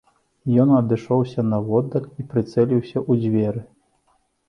Ён адышоўся наводдаль і прыцэліўся ў дзверы.